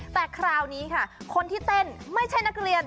แต่คราวนี้ค่ะคนที่เต้นไม่ใช่นักเรียน